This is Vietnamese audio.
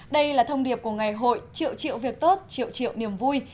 đây là thông điệp của ngày hội triệu triệu việc tốt triệu triệu niềm vui